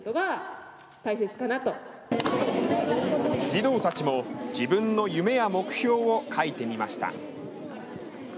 児童たちも自分の夢や目標を書いてみました。